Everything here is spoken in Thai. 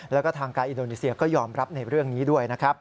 และทางการอิดโอนิเซียก็ยอมรับในเรื่องนี้ด้วย